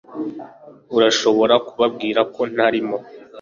urashobora kubabwira ko ntarimo